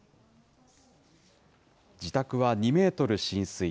自宅は２メートル浸水。